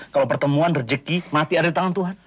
kalau pertemuan rejeki mati ada di tangan tuhan